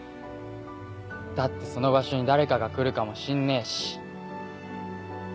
だってその場所に誰かが来るかもしんねえし。